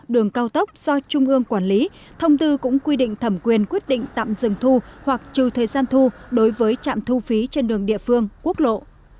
đường cao tốc do trung ương quản lý thông tư cũng quy định thẩm quyền quyết định tạm dừng thu hoặc trừ thời gian thu đối với trạm thu phí trên đường địa phương quốc lộ